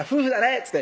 っつって